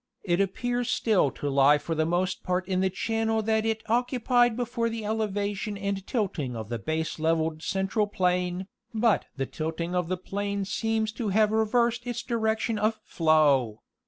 It appears still to lie for the most part in the channel that it occupied before the elevation and tilting of the baselevelled Central plain, but the Rivers of Northern New Jersey. 107 tilting of the plain seems to have reversed its direction of flow.